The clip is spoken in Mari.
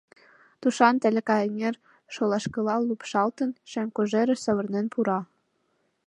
Тушан Таляка эҥер, шолашкыла лупшалтын, шем кожерыш савырнен пура.